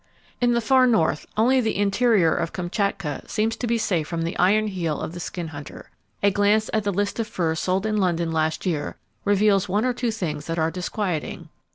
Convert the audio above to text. —In the far North, only the interior of Kamchatka seems to be safe from the iron heel of the skin hunter. A glance at the list of furs sold in London last year reveals one or two things that are disquieting.